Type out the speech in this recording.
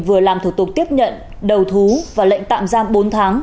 vừa làm thủ tục tiếp nhận đầu thú và lệnh tạm giam bốn tháng